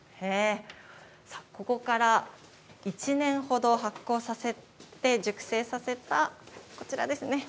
ここから１年ほど発酵させて、熟成させた、こちらですね。